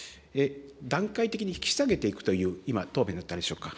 段階的に引き下げていくという、今、答弁だったでしょうか。